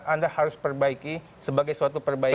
anda harus perbaiki sebagai suatu perbaikan yang terbaik